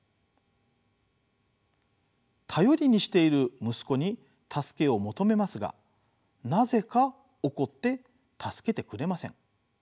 頼りにしている息子に助けを求めますがなぜか怒って助けてくれません。